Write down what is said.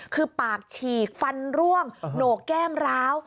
คือปากฉีกฟันร่วงโหนกแก้มร้าว